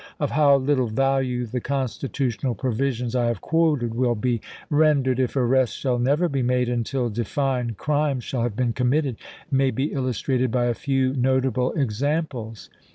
Of how little value the constitutional provisions I have quoted will be ren dered, if arrests shall never be made until denned crimes ehall have been committed, may be illustrated by a few notable examples.